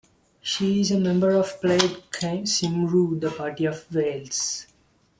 She is a member of Plaid Cymru - The Party of Wales.